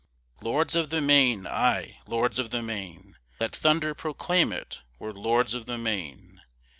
Lords of the Main, aye, Lords of the Main Let thunder proclaim it, we're Lords of the Main!